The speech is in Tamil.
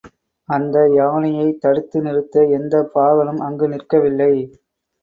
அந்த யானையைத் தடுத்து நிறுத்த எந்தப் பாகனும் அங்கு நிற்கவில்லை.